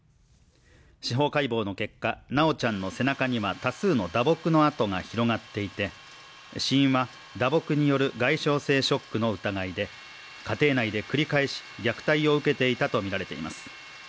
司法解剖の結果、修ちゃんの背中には多数の打撲の痕が広がっていて死因は打撲による外傷性ショックの疑いで家庭内で繰り返し虐待を受けていたとみられています。